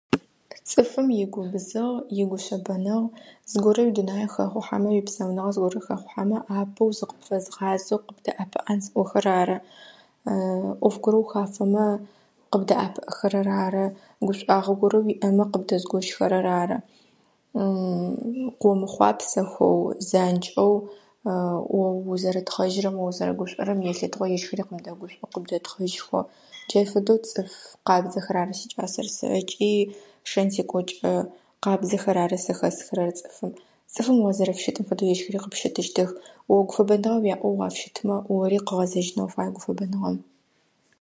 Цӏыфым игубзыгъ, игушъэбэныгъ. Зыгорэ уидунай хэхъухьэмэ, уипсауныгъэ зыгорэ хэхъухьэмэ апэу зыкъыпфэзгъазэу къыбдэӏэпыӏэн зыӏохэрэр ары, ӏоф горэ ухафэмэ къыбдэӏэпыӏэхэрэр ары, гушӏуагъо горэ уиӏэмэ къыбдэзыгощхэрэр ары. Къыомыхъуапсэхэу, занкӏэу о узэрэтхъэжьырэм, о узэрэгушӀорэм елъытыгъэу ежьхэри къыбдэгушӏоу, къыбдэтхъэжьхэу - джай фэдэу цӏыф къабзэхэр ары сикӏасэр сэ ыкӏи шэн-зекӏокӏэ къабзэхэр ары сэ хэсхырэр цӏыфым. Цӏыфым узэрафыщытым фэдэу ежьхэри о къыпфыщытыщтых. О гуфэбэныгъэ уиӏэу уафыщытмэ, ори къыгъэзэжьынэу уфай гуфэбэныгъэм.